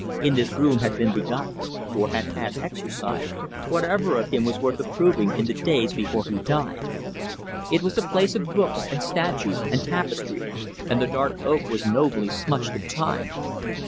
In this room had been begotten, or had had exercise, whatever of him was worth approving in the days before he died. It was a place of books and statues and tapestry, and the dark oak was nobly smutched of Time.